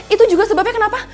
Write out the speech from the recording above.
itu juga sebabnya kenapa